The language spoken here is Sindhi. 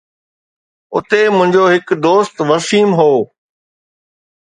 اتي منهنجو هڪ دوست وسيم هو